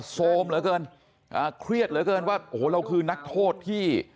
โซมเหลือเกินอ่าเครียดเหลือเกินว่าโอ้โหเราคือนักโทษที่